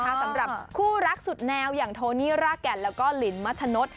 สำหรับคู่รักสุดแนวอย่างโทนี่รากแก่นแล้วก็ลินมัชนด